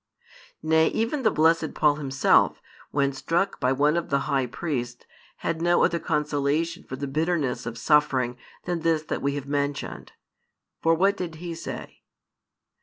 Nay, even the blessed Paul himself, when struck by one of the high priests, had no other consolation for the bitterness of suffering than this that we have mentioned. For what did he say?